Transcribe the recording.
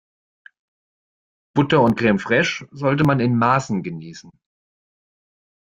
Butter und Creme fraiche sollte man in Maßen genießen.